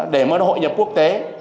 để mới hội nhập quốc tế